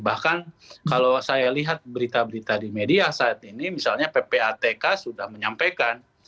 bahkan kalau saya lihat berita berita di media saat ini misalnya ppatk sudah menyampaikan